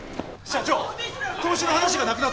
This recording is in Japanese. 社長！